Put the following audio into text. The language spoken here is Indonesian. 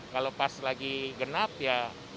kalau pas lagi genap ya